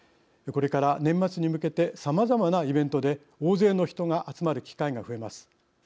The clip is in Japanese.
これから年末に向けてさまざまなイベントで大勢の人が集まる機会が増えます。